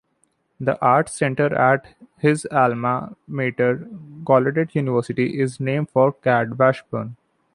The arts center at his alma mater, Gallaudet University, is named for Cad Washburn.